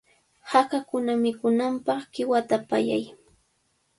Hakakuna mikunanpaq qiwata pallay.